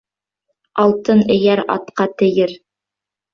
Алтын эйәр атҡа тейер